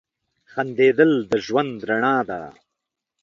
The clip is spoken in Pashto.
• خندېدل د ژوند رڼا ده.